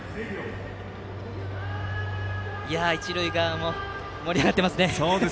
一塁側も盛り上がっていますね。